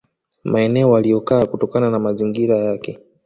Maeneo waliyokaa kutokana na mazingira yake